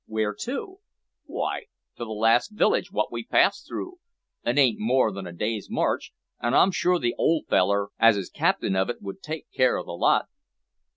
Where to?" "W'y, to the last village wot we passed through. It ain't more than a day's march, an' I'm sure the old feller as is capting of it would take care o' the lot."